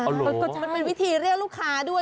ก็จะเป็นวิธีเรียกลูกค้าด้วย